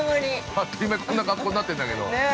◆あっという間にこんな格好になってんだけど。